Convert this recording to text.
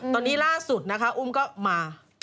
ตอนนี้ล่าสุดนะคะอุ้มก็มา